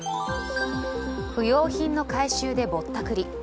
不要品の回収でぼったくり。